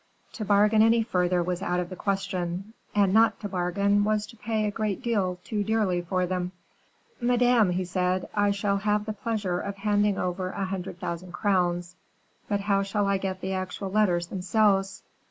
To bargain any further was out of the question; and not to bargain was to pay a great deal too dearly for them. "Madame," he said, "I shall have the pleasure of handing over a hundred thousand crowns; but how shall I get the actual letters themselves?"